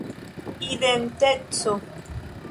identeco